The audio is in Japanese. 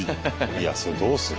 いやそれどうする。